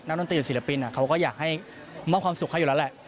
ดนตรีหรือศิลปินเขาก็อยากให้มอบความสุขให้อยู่แล้วแหละ